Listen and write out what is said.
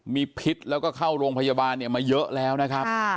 มีพิษแล้วก็เข้าโรงพยาบาลเนี่ยมาเยอะแล้วนะครับ